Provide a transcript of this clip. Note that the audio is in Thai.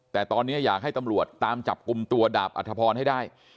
แต่ตอนนี้อยากให้ตำรวจตามจับกลุ่มตัวดาบอัธพรให้ได้